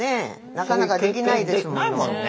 なかなかできないですもの。